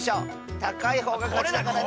たかいほうがかちだからね！